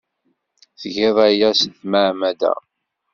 Tgiḍ aya s tmeɛmada.